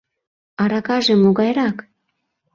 Аракаже могайрак?